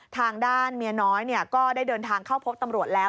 ทางด้านเมียน้อยก็ได้เดินทางเข้าพบตำรวจแล้ว